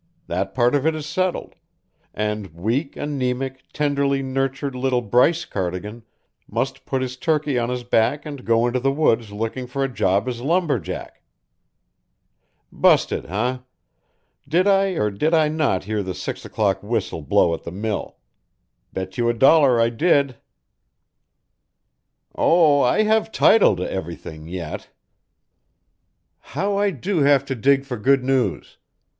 That part of it is settled; and weak, anemic, tenderly nurtured little Bryce Cardigan must put his turkey on his back and go into the woods looking for a job as lumberjack ... Busted, eh? Did I or did I not hear the six o'clock whistle blow at the mill? Bet you a dollar I did." "Oh, I have title to everything yet." "How I do have to dig for good news!